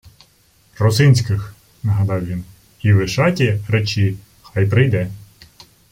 — Русинських! — нагадав він. — І Вишаті речи, хай прийде.